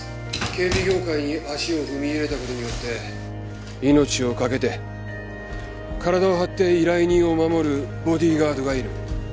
「警備業界に足を踏み入れた事によって」命を懸けて体を張って依頼人を護るボディーガードがいる。